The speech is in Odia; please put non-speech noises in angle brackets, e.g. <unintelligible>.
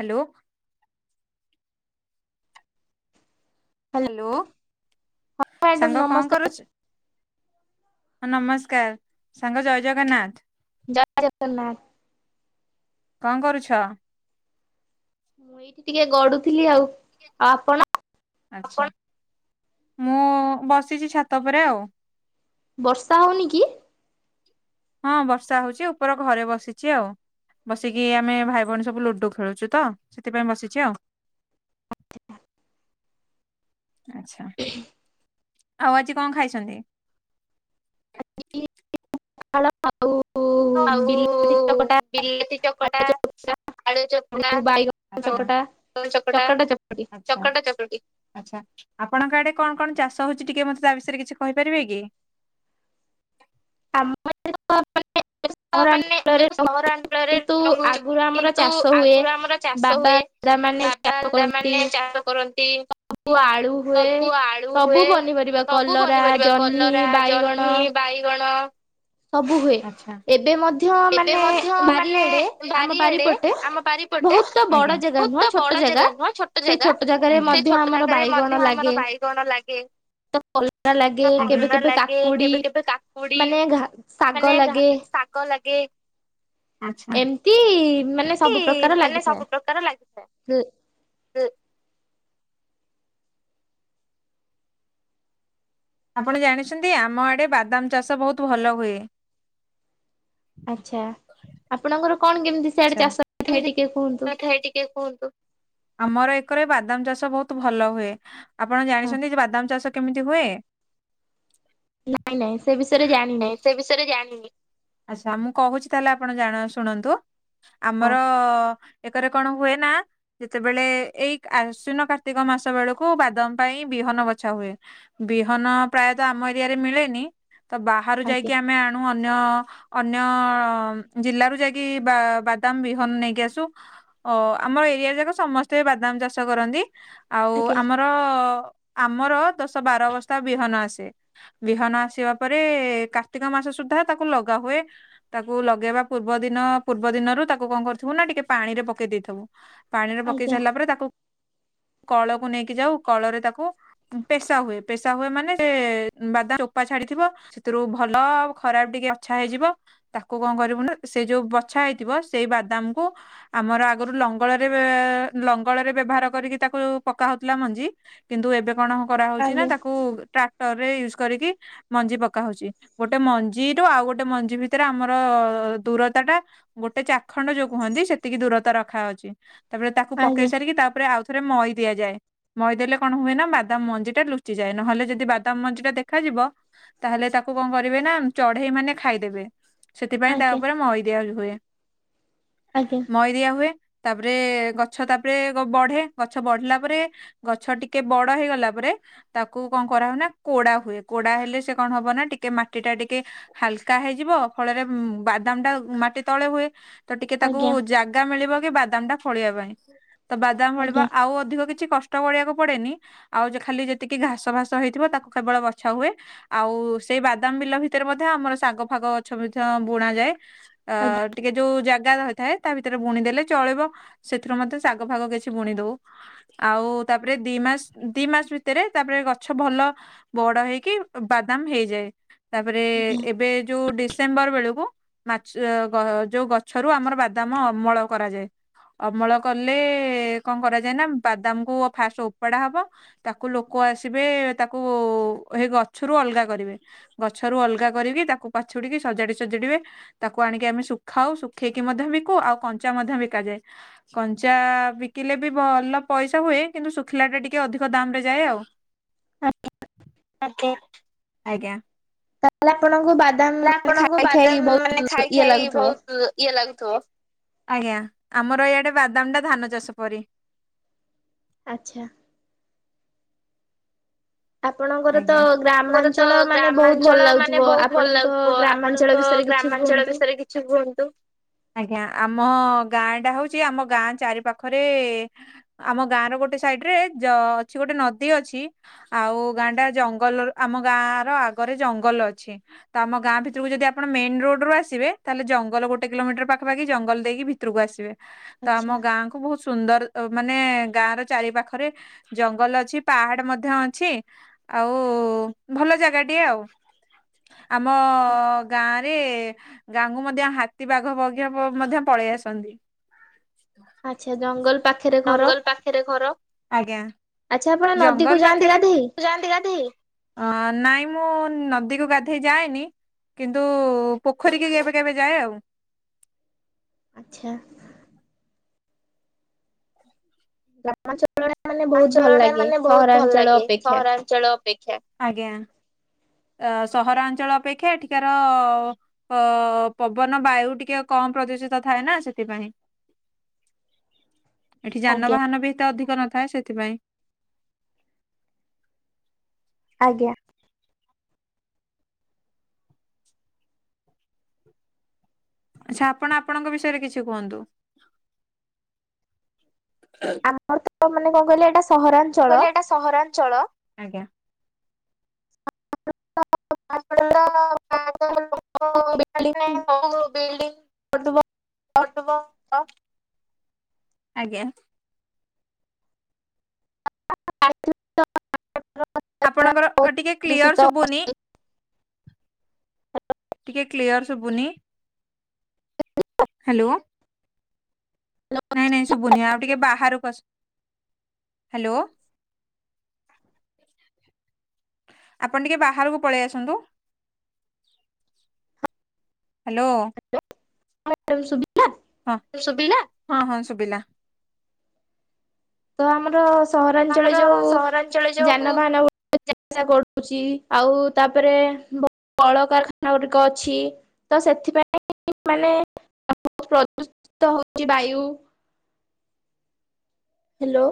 ହାଲୋ। ହ୍ୟାଲୋ ହାଲୋ ମ୍ୟାଡ଼ାମ ସାଙ୍ଗ କଣ ନମସ୍କାର କରୁଚୁ? ହଁ ନମସ୍କାର ସାଙ୍ଗ ଜୟ ଜଗନ୍ନାଥ। ଜୟ ଜଗନ୍ନାଥ। କଣ କରୁଛ? ମୁଁ ଏଇଠି ଟିକେ ଗଡ଼ୁଥିଲି ଆଉ ଆଉ ଆପଣ? ଆଚ୍ଛା ମୁଁ ଉ ଉ ବସିଚି ଛାତ ଉପରେ ଆଉ। ବର୍ଷା ହଉନି କି? ହଁ ବର୍ଷା ହଉଚି ଉପର ଘରେ ବସିଚି ଆଉ। ବସିକି ଆମେ ଭାଇ ଭଉଣୀ ସବୁ ଲୁଡୁ ଖେଳୁଚୁ ତ ସେଥିପାଇଁ ବସିଚି ଆଉ। ଆଚ୍ଛା ଆଉ ଆଜି କଣ ଖାଇଛନ୍ତି? <inaudible> ତ ଆଉ ବିଲାତି ଚକଟା ବିଲାତି ଚକଟା ଆଳୁ ଚକଟା ଆଉ ବାଇଗଣ ଆଉ ଚକଟା ଟଲ ଚକଟା ଚକଟା ଚକଟି। ଆଚ୍ଛା ଆପଣଙ୍କ ଆଡ଼େ କଣ କଣ ଚାଷ ହଉଚି ଟିକେ ମତେ ତା ବିଷୟରେ କିଛି କହିପାରିବେ କି? ଆମ ଏପଟେ କଣ କହିଲେ ତ ମାନେ ମାନେ ଆମେ ତ ସହରାଞ୍ଚଳରେ କିନ୍ତୁ ରହୁଚୁ ଆଗରୁ ଆମର କିନ୍ତୁ ଚାଷ ହୁଏ। ଆଗୁରୁ ଆମର ଚାଷ ବାବା ହୁଏ। ଦାଦା ମାନେ ବାପା ଚାଷ ଦାଦା କରନ୍ତି ମାନେ ଚାଷ କରନ୍ତି। ସବୁ ଆଳୁ ହୁଏ। ସବୁ ଆଳୁ ସବୁ ହୁଏ ପନିପରିବା ସବୁ କଲରା ପନିପରିବା ଜହ୍ନି କଲରା, ବାଇଗଣ ଜହ୍ନି ବାଇଗଣ ସବୁ ହୁଏ ଆଚ୍ଛା। ଏବ ଏବେ ମଧ୍ୟ ମାନେ ଆମ ବାରି ଏଡ଼େ ବାରିପଟେ ଆମ ବାରିପଟେ ବହୁତ ତ ବଡ ଆଜ୍ଞା। ଜାଗା ନୁହଁ ବହୁତ ଛୋଟ ବଡ଼ ଜାଗା ନୁହଁ ଛୋଟ ସେ ଜାଗା ଜାଗାରେ ସେ ମଧ୍ୟ ଛୋଟ ଆମର ଜାଗାରେ ମଧ୍ୟ ଆମର ବାଇଗଣ ଲା ଗେ ତ କଲରା ଲାଗେ କେବେ କେବେ କାକୁଡ଼ି କେବେ କେବେ ମାନେ ଘା ଶାଗ ଲାଗେ ଶାକ ଲାଗେ ଆଚ୍ଛା। ଏମତି ମାନେ ସବୁ ପ୍ରକାର ମାନେ ଲାଗିଥାଏ। ସବୁ ପ୍ରକାର ଲାଗିଥାଏ। ଆପଣ ଜାଣିଛନ୍ତି ଆମ ଆଡ଼େ ବାଦାମ ଚାଷ ବହୁତୁ ଭଲ ହୁଏ। ଆଚ୍ଛା ଆପଣଙ୍କର କଣ କେମତି ଆଚ୍ଛା। କେମତି କଥା ହେଇ ଟିକେ କୁହନ୍ତୁ? ଆମର ଏକରେ ବାଦାମ ଚାଷ ବହୁତୁ ଭଲ ହୁଏ ଆପଣ ହଁ ଜାଣିଛନ୍ତି ଯେ ବାଦାମ ଚାଷ କେମିତି <unintelligible> ହୁଏ। ନାଇଁ ନାଇଁ ସେ ବିଷୟରେ ଜାଣିନି। ନାଇଁ ସେ ବିଷୟରେ ଜାଣିନି ଆଚ୍ଛା ମୁଁ କହୁଚି ତାହେଲେ ଆପଣ ଶୁଣନ୍ତୁ। ହଁ ଆମର ଏକରେ କଣ ହୁଏ ନା ଯେତେବେଳେ ଏଇ ଆଶ୍ୱିନ କାର୍ତ୍ତିକ ମାସ ବେଳକୁ ବାଦମ ପାଇଁ ବିହନ ବଛା ହୁଏ। ବିହନ ପ୍ରାୟତଃ ଆମ ଏରିଆରେ ମିଳେନି। ତ ବାହାରୁ ଆଜ୍ଞା ଯାଇକି ଆମେ ଆଣୁ ଅନ୍ୟ ଅନ୍ୟ ଜିଲ୍ଲାରୁ ଯାଇକି ବା ବାଦାମ ବିହନ ନେଇକି ଆସୁ ଅ ଆମର ଏରିଆ ଯାକ ସମସ୍ତେ ବାଦାମ ଚାଷ କରନ୍ତି। ଆଉ ଆଜ୍ଞା ଆମର ଆମର ଦଶ ବାର ବବସ୍ଥା ବିହନ ଆସେ। ବିହନ ଆସିବା ପରେ କାର୍ତ୍ତିକ ମାସ ସୁଦ୍ଧା ତାକୁ ଲଗା ହୁଏ। ତାକୁ ଲଗେଇବା ପୂର୍ବ ଦିନ ର୍ବ ଦିନ ତାକୁ କଣ କରିଥିବୁ ନା ଟିକେ ପାଣିରେ ପକେଇ ଦେଇଥିବୁ। ପାଣିରେ ପକେଇ ଆଜ୍ଞା ସାରିଲା ପରେ ତାକୁ କଳକୁ ନେଇକି ଯାଉ କଳରେ ତାକୁ ପେଶା ହୁଏ ପେଶା ହୁଏ ମାନେ ସେ ବାଦାମ ଚୋପା ଛାଡିଥିବ। ସେଥିରୁ ଭଲ ଖରାପ ଟିକେ ବଛା ହେଇଯିବ ତାକୁ କଣ କରିବୁନ ସେ ଯୋଉ ବଛା ହେଇଥିବ ସେଇ ବାଦାମକୁ ଆମର ଆଗରୁ ଲଙ୍ଗଳରେ ଲଙ୍ଗଳରେ ବ୍ୟବହାର କରିକି ତାକୁ ପକା ହଉଥିଲା ମଞ୍ଜି। କିନ୍ତୁ ଏବେ କଣ କରାହଉଚି ନା ଆଜ୍ଞା ତାକୁ ଟ୍ରାକ୍ଟର ରେ ୟୁଜ କରିକି ମଞ୍ଜି ପକା ହଉଚି। ଗୋଟେ ମଞ୍ଜିରୁୁ ଆଉ ଗୋଟେ ମଞ୍ଜି ଭିତରେ ଆମର ଦୂରତା ଟା ଗୋଟେ ଚାଖଣ୍ଡ ଯୋଉ କୁହନ୍ତି ସେତିକି ଦୂରତା ରଖାହଉଚି। ତାପରେ ତାକୁ ପକେଇ ଆଜ୍ଞା ସାରିକି ତାପରେ ଆଉ ଥ ରେ ମଇ ଦିଆଯାଏ। ମଇଦେଲେ କଣ ହୁଏ ନା ବାଦାମ ମଞ୍ଜି ଟା ଲୁଚିଯାଏ। ନହେଲେ ଯଦି ବାଦାମ ମଞ୍ଜି ଟା ଦେଖାଯିବ ତାହେଲେ ତାକୁ କଣ କରିବେ ନା ଚଢେଇ ମାନେ ଖାଇଦେବେ ସେଥିପାଇଁ ତା ଆଜ୍ଞା ଉପରେ ମଇଦିଆ ହୁଏ। ଆଜ୍ଞା। ମଇଦିଆ ହୁଏ ତାପରେ ଗଛ ତାପରେ ବଢେ। ଗଛ ବଢିଲା ପରେ ଗଛ ଟିକେ ବଡ ହେଇଗଲା ପରେ ତାକୁ କଣ କରା ହୁଏ ନା କୋଡା ହୁଏ। କୋଡା ହେଲେ ସେ କଣ ହବ ନା ଟିକେ ମାଟି ଟା ଟିକେ ହାଲକା ହେଇଯିବ। ଫଳରେ ବାଦାମ ଟା ମାଟି ତଳେ ହୁଏ ତ ଟିକେ ତାକୁ ଆଜ୍ଞା ଆଜ୍ଞା ଜାଗା ମିଳିବ କି ବାଦାମ ଟା ଫଳିବା ପାଇଁ। ତ ବାଦାମ ଭଳିିବ। ଆଜ୍ଞା ଆଉ ଅଧିକ କିଛି କଷ୍- ଟ କରିଆକୁ ପଡେନି ଆଉ ଖାଲି ଯେତିକି ଘାସ ଫାସ ହେଇଥିବ ତାକୁ କେବଳ ବଛା ହୁଏ। ଆଉ ସେଇ ବାଦାମ ବିଲ ଭିତରେ ମଧ୍ୟ ଆମର ଶାଗ ଫାଗ ଗଛ ମଧ୍ୟ ବୁଣ ଯାଏ। ଅ ଆଜ୍ଞା ଟିକେ ଯୋଉ ଜାଗା ରହିଥାଏ ତା ଭିତରେ ବୁଣି ଦେଲେ ଚଳିବ। ସେଥିରୁ ମଧ୍ୟେ ଶାଗ ଫାଗ କିଛି ବୁଣି ଦଉ। ଆଉ ତାପରେ ଦି ମାସ ଦି ମାସ ଭିତରେ ତାପରେ ଗଛ ଭଲ ବଡ ହେଇକି ବାଦାମ ହେଇଯାଏ। ତାପରେ ଆଜ୍ଞା ଏବେ ଯୋଉ ଡିସେମ୍ବର ବେଳକୁ ଚ ଗ ଯୋଉ ଗଛରୁ ଆମର ବାଦାମ ଅମଳ କରାଯାଏ। ଅମଳ କଲେ କଣ କରାଯାଏ ନା ବାଦାମ କୁ ଫାଷ୍ଟ ଉପାଡା ହବ। ତାକୁ ଲୋକ ଆସିବେ, ତାକୁ ହେ ଗଛରୁ ଅଲଗା କରିବେ। ଗଛରୁ ଅଲଗା କରିକି ତାକୁ ପାଛୁଡିକି ସଜାଡି ସଜିଡିବେ। ତାକୁ ଆଣିକି ଆମେ ଶୁଖାଉ। ଶୁଖେଇକି ମଧ୍ୟ ଵିକୁ ଆଉ କଞ୍ଚା ମଧ୍ୟ ବିକା ଯାଏ। କଞ୍ଚା ବିକିଲେ ବି ଭଲ ପଇସା ହୁଏ କିନ୍ତୁ ଶୁଖିଲା ଟା ଟିକେ ଅଧିକ ଦାମ ରେ ଯାଏ ଆଉ। ଆଜ୍ଞା। ତାହେଲେ ଆପଣଙ୍କୁ ବାଦାମ ହେଲେ ମାନେ ଆପଣଙ୍କୁ ଖାଇ ଖାଇ ବାଦାମ ମାନେ ବହୁତ ଖାଇ ଇଏ ଖାଇ ଲାଗୁଥିବ। ବହୁତ ଇଏ ଲାଗୁଥିବ। ଆଜ୍ଞା ଆମର ଇଆଡେ ବାଦାମ ଟା ଧାନ ଚାଷ ପରି ଆଚ୍ଛା। ଆପଣଙ୍କର ତ ଆଜ୍ଞା ଆଙ୍କର ତ ଗ୍ରାମାଞ୍ଚଳ ମାନେ ବହୁତ ଭଲ ଗ୍ରାମାଞ୍ଚଳ ଲାଗୁଥିବ ମାନେ ବହୁତ ଭଲ ଆପଣଙ୍କ ଲାଗୁଥିବ। ଗ୍ରାମାଞ୍ଚଳ ଆପଣଙ୍କ ବିଷୟରେ କି ଛି ଗ୍ରାମାଞ୍ଚଳ କୁହନ୍ତୁ ବିଷୟରେ କିଛି କୁହନ୍ତୁ। ଆଜ୍ଞା ଆମ ଗାଁ ଟା ହଉଛି, ଆମ ଗାଁ ଚାରି ପାଖରେ ଆମ ଗାଁ ର ଗୋଟେ ସାଇଡ ରେ ଯ ଅଛି ଗୋଟେ ନଦୀ ଅଛି। ଆଉ ଗାଁଟା ଜଙ୍ଗଲ, ଆମ ଗାଁ ର ଆଗରେ ଜଙ୍ଗଲ ଅଛି। ତ ଆମ ଗାଁ ଭିତରକୁ ଯଦିଆପଣ ମେନ ରୋଡ ରୁ ଆସିବେ। ତାହେଲେ ଜଙ୍ଗଲ ଗୋଟେ କୋଲମିଟର ପାଖପାଖି ଜଙ୍ଗଲ ଦେଇକିି ଭି ତରକୁ ଆସିବେ। ତ ଆଚ୍ଛା। ଆମ ଗାଁ। ବହୁତ ସୁନ୍ଦର ମାନେ ଗାଁ ର ଚାରି ପାଖରେ ଜଙ୍ଗଲ ଅଛି ପାହାଡ ମଧ୍ୟ ଅଛି। ଆଉ ଭଲ ଜାଗା ଟିଏ ଆଉ। ଆମ ଗାଁ ରେ, ଗାଁଙ୍କୁ ମଧ୍ୟ ହାତୀ ବାଘ ବଘ ମଧ୍ୟ ପଳେଇ ଆସନ୍ତି। ଆଚ୍ଛା। ଜଙ୍ଗଲ ପାଖରେ ଘର। ଥିରେ ଘର, ଆଜ୍ଞା। ଆଚ୍ଛା ଆପଣ ଜଙ୍ଗଲ ନଦୀକୁ ଯାଆନ୍ତି ପାଖରେ ଗାଧେଇ? ଯାଆନ୍ତି ଗାଧେଇ, ନାଇଁ ମୁଁ ନଦୀକୁ ଗାଧେଇ ଯାଏନି। କିନ୍ତୁ ପୋଖରୀ କି କେବେ କେବେ ଯାଏ ଆଉ। ଆଚ୍ଛା। <inaudible> ଅଞ୍ଚଳ ଟା ଲାଗେ ମାନେ ବହୁତ ଭଲ ସହରାଞ୍ଚଳ ଲାଗେ। ଅପେକ୍ଷା। ସହରାଞ୍ଚଳ ଅପେକ୍ଷା। ଆଜ୍ଞା। ଅ ସହରାଞ୍ଚଳ ଅପେକ୍ଷା ଏଠିକାର ଅ ପବନ ବାୟୁ ଟିକେ କମ ପ୍ରଦୂଷିତ ଥାଏ ନା ସେଥିପାଇଁ। ଏଠି ଆଜ୍ଞା ଯାନବାହାନ ବି ଏତେ ଅଧିକ ନଥାଏ ସେଥିପାଇଁ। ଆଜ୍ଞା ଆଚ୍ଛା ଆପଣ ଆପଣଙ୍କ ବିଷୟରେ କିଛି କୁହନ୍ତୁ। ଆମର ତ ମାନେ କଣ କହିଲ ଏଇଟା ସହରା କହିଲେ ଏଇଟା ସହରାଞ୍ଚଳ। ଆଜ୍ଞା ତ ଆପଣ ପା ଲୋକଇ <inaudible> ଫଟବଲ ଆଜ୍ଞା ଆ <inaudible> ଆପଣଙ୍କର ଟିକେ କ୍ଲିଅର ଦୂଷିତ ଶୁଭୁନି। ଟିକେ କ୍ଲିଅର ଶୁବୁନି ହ୍ୟାଲୋ ନାଇଁ ନାଇଁ ଶୁଭୁନି ଆଉ ଟିକେ ବାହାରକୁ ଆସ। ହ୍ୟାଲୋ ଆପଣ ଟିକେ ବାହାରକୁ ପଳେଇ ଆସନ୍ତୁ। ହ୍ୟାଲୋ ହ ସୁ <inaudible> ହଁ ଶୁଭିଲା ହଁ ହଁ ଶୁଭିଲା। ତ ଆମର ସହରାଞ୍ଚଳ ଆମର ଯୋଉ ସହରାଞ୍ଚଳ ଯୋଉ ଯାନବାହାନ ଚସା କରୁଛି ଆଉ ତାପରେ କଳକାରଖାନା ଗୁଡିକ ଅଛି ତ ସେଥିପାଇଁ ମାନେ ପ୍ରଦୂଷିତ ହଉଛି ବାୟୁ। ହ୍ୟାଲୋ